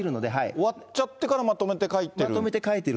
終わっちゃってからまとめて書いてる。